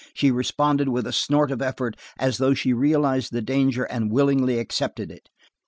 She responded with a snort of effort, as though she realized the danger and willingly accepted it.